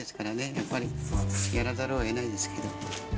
やっぱり、やらざるをえないです